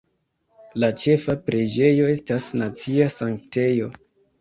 La ĉefa preĝejo estas nacia sanktejo.